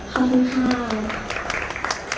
ขอบคุณครับ